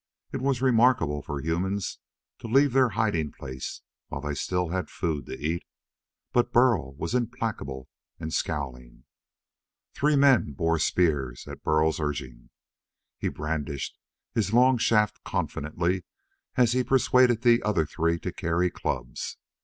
It was remarkable for humans to leave their hiding place while they still had food to eat, but Burl was implacable and scowling. Three men bore spears at Burl's urging. He brandished his long shaft confidently as he persuaded the other three to carry clubs.